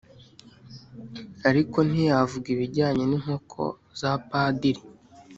ariko ntiyavuga ibijyanye n' inkoko za padiri.